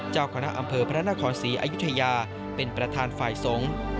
เจ้าคณะอำเภอพระนครศรีอยุธยาเป็นประธานฝ่ายสงฆ์